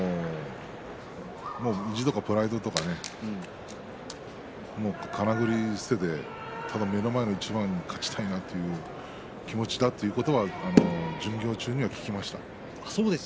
もう意地とかプライドとかかなぐり捨ててただ目の前の一番に勝ちたいなっていう気持ちだということは巡業中に聞きました。